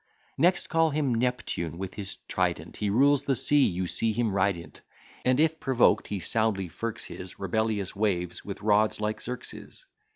Next call him Neptune: with his trident He rules the sea: you see him ride in't; And, if provoked, he soundly firks his Rebellious waves with rods, like Xerxes.